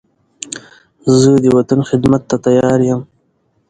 زه د وطن خدمت ته تیار یم.